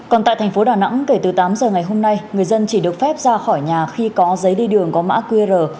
còn tại thành phố đà nẵng kể từ tám giờ ngày hôm nay người dân chỉ được phép ra khỏi nhà khi có giấy đi đường có mã qr